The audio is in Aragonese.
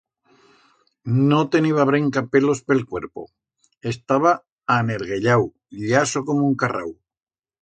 No teniba brenca pelos pe'l cuerpo, estaba anerguellau, llaso como un carrau.